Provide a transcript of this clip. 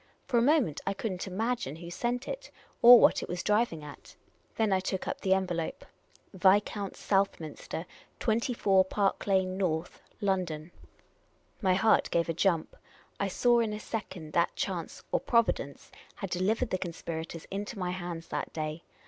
For a moment, I could n't imagine who sent it, or what it was driving at. Then I took up the envelope. " Viscount Southminster, 24 Park lyane North, L,ondon." My heart gave a jump. I saw in a second that chance, or Providence, had delivered the conspirators into my hands that day.